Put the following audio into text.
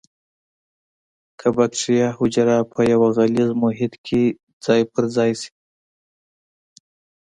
که بکټریا حجره په یو غلیظ محیط کې ځای په ځای شي.